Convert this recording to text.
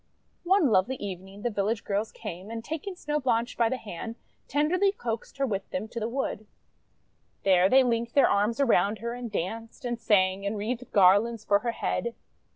One lovely evening the village girls came, and, taking Snow Blanche by the hand, ten derly coaxed her with them to the wood. There they linked their arms around her and danced, and sang, and wreathed garlands for her head.